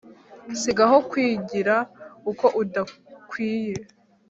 si gaho kwigira uko udakwiye